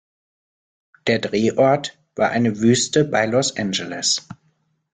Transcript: Der Drehort war eine Wüste bei Los Angeles.